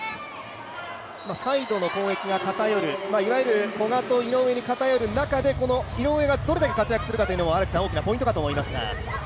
サイドの攻撃に偏るいわゆる古賀と井上に偏る中でこの井上がどれだけ活躍するかというのも大きなポイントかと思いますが。